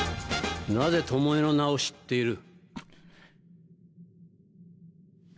なぜトモエの名を知っている？